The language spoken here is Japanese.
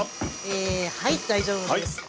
えはい大丈夫です。